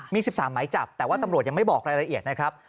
มี๑๓หมายจับแต่ว่าตำรวจยังไม่บอกรายละเอียดนะครับ